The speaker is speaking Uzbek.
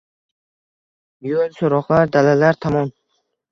Yo’l so’roqlar dalalar tomon…